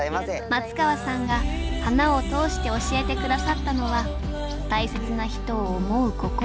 松川さんが花を通して教えて下さったのは大切な人を思う心。